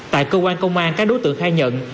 tại cơ quan công an các đối tượng khai nhận